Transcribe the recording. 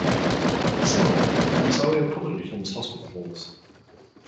Similarly, Ontario publicly funds hospitals.